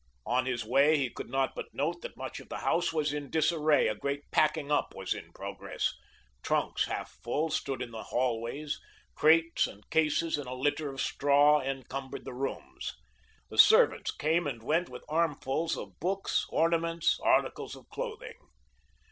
On his way he could not but note that much of the house was in disarray, a great packing up was in progress; trunks, half full, stood in the hallways, crates and cases in a litter of straw encumbered the rooms. The servants came and went with armfuls of books, ornaments, articles of clothing.